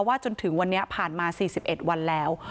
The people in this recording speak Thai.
ว่าจนถึงวันผ่านมา๔๑วันแล้ว